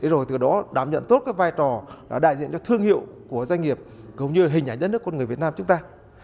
rồi từ đó đảm nhận tốt vai trò đại diện cho thương hiệu của doanh nghiệp gồm như hình ảnh dẫn nước con người việt nam chúng ta